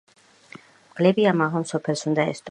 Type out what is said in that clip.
მგლები ამაღამ სოფელს უნდა ესტუმრონ.